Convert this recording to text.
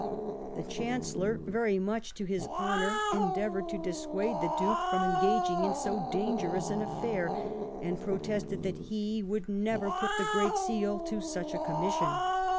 The Chan cellor, very much to his honour, endeavoured to dia 377 THE REIGN OF QUEEN ANNE suade the Duke from engaging in so dangerous an affair ; and protested that he would never put the great seal to such a commission.